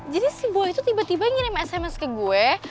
jadi si boy itu tiba tiba ngirim sms ke gue